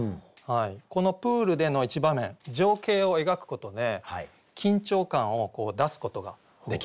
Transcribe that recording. このプールでの一場面情景を描くことで緊張感を出すことができるんですね。